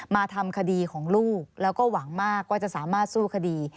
มาทำคดีของลูกแล้วก็หวังมากว่าจะสามารถสู้คดี